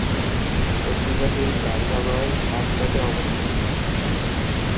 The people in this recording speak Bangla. পত্রিকাটির কার্যালয় বাগদাদে অবস্থিত।